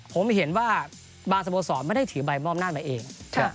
ผมเห็นว่าบางสโมสรไม่ได้ถือใบมอบหน้ามาเอง